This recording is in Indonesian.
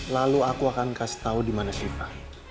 lalu aku akan kasih tahu di mana siva